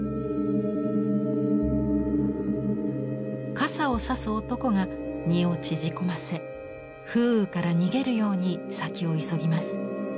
傘を差す男が身を縮こませ風雨から逃げるように先を急ぎます。